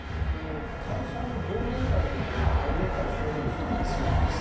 会社の忘年会なんかでやっぱ踊ったりされるんですか？